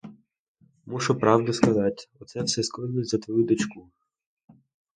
Мушу правду сказать: оце все скоїлось за твою дочку.